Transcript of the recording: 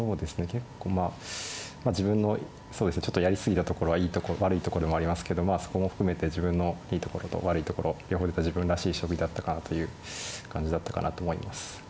結構まあ自分のちょっとやり過ぎたところはいいところ悪いところもありますけどまあそこも含めて自分のいいところと悪いところ両方出た自分らしい将棋だったかなという感じだったかなと思います。